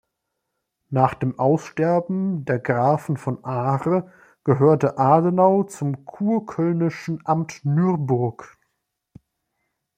Nach dem Aussterben der Grafen von Are gehörte Adenau zum kurkölnischen Amt Nürburg.